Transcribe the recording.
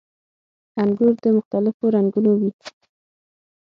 • انګور د مختلفو رنګونو وي.